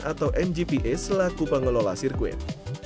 atau mgpa selaku pengelola sirkuit